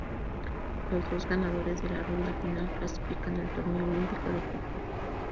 Los dos ganadores de la ronda final clasifican al torneo olímpico de fútbol.